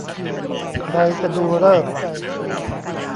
ใครจะดูฤกษ์